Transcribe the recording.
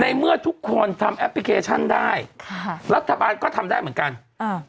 เมื่อทุกคนทำแอปพลิเคชันได้ค่ะรัฐบาลก็ทำได้เหมือนกันอ่า